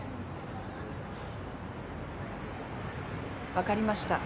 分かりました。